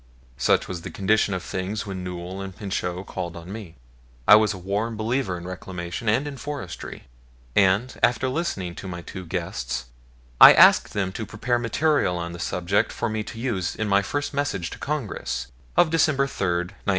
Such was the condition of things when Newell and Pinchot called on me. I was a warm believer in reclamation and in forestry, and, after listening to my two guests, I asked them to prepare material on the subject for me to use in my first message to Congress, of December 3, 1901.